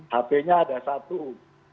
hape nya ada satu